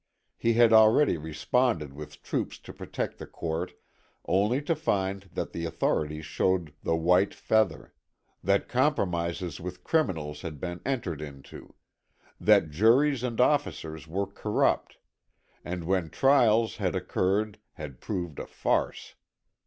He had already responded with troops to protect the court only to find that the authorities showed the white feather; that compromises with criminals had been entered into; that juries and officers were corrupt, and when trials had occurred had proved a farce.